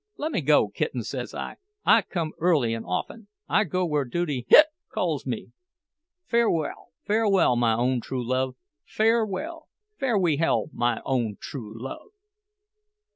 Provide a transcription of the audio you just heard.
'Lemme go, Kittens,' says I—'come early an' often—I go where duty—hic—calls me. Farewell, farewell, my own true love—farewell, farewehell, my—own true—love!